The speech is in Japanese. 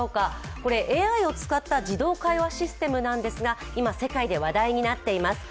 これ、ＡＩを使った自動会話システムなんですが今世界で話題になっています。